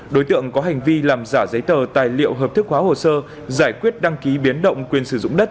đối tượng có hành vi làm giả giấy tờ tài liệu hợp thức hóa hồ sơ giải quyết đăng ký biến động quyền sử dụng đất